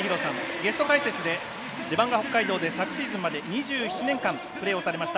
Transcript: ゲスト解説でレバンガ北海道で昨年まで２７年間、プレーをされました